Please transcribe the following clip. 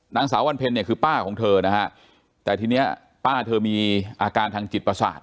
นางสาววันเพ็ญเนี่ยคือป้าของเธอนะฮะแต่ทีนี้ป้าเธอมีอาการทางจิตประสาท